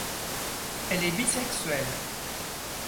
Elle est bisexuelle.